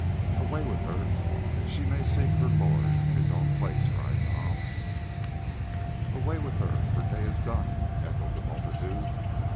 "Away with her that she may seek her Lord in his own place," cried Nam. "Away with her, her day is done," echoed the multitude.